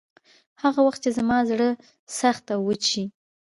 هغه وخت چې زما زړه سخت او وچ شي.